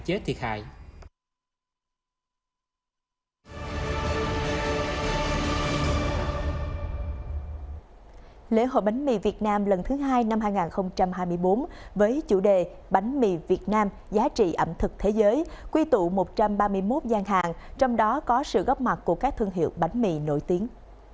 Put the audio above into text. lễ hội bánh mì việt nam lần thứ hai năm hai nghìn hai mươi bốn với chủ đề bánh mì việt nam giá trị ẩm thực thế giới quy tụ một trăm ba mươi một gian hàng trong đó có sự góp mặt của các thương hiệu bánh mì nổi tiếng